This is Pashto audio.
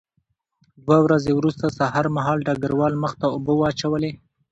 دوه ورځې وروسته سهار مهال ډګروال مخ ته اوبه واچولې